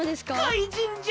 かいじんじゃ！